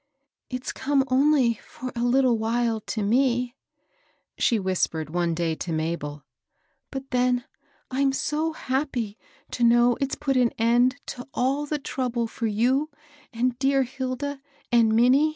" It's come only for a little while to w^," she whispered one day to Mabel ;^^ but then, I'm so happy to know it's put an end to all the trouble for you and dear HSLda and Minnie."